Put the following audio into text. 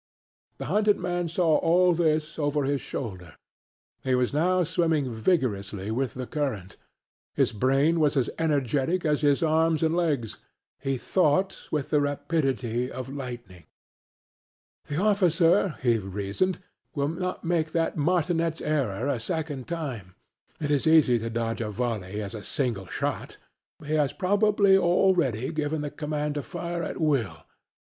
The hunted man saw all this over his shoulder; he was now swimming vigorously with the current. His brain was as energetic as his arms and legs; he thought with the rapidity of lightning. "The officer," he reasoned, "will not make that martinet's error a second time. It is as easy to dodge a volley as a single shot. He has probably already given the command to fire at will.